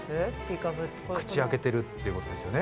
口開けてるってことですよね